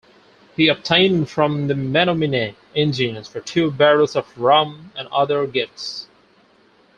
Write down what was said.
He obtained from the Menominee Indians for two barrels of rum and other gifts.